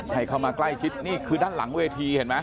ให้เข้ามาใกล้ชิดนี่คือด้านหลังเวทีเห็นไหม